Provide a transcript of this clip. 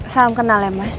salam kenal ya mas